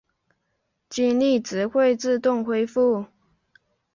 精力值会自动恢复。